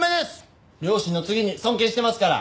両親の次に尊敬してますから。